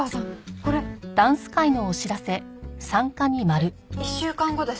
これ１週間後です。